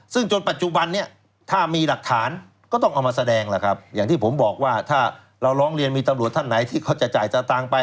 ซึ่งจนปัจจุบันนี้ถ้ามีหลักฐานก็ต้องเอามาแสดงล่ะครับอย่างที่ผมบอกว่าถ้าเราร้องเรียนมีตำรวจท่านไหนที่เขาจะจ่ายสตางค์ไป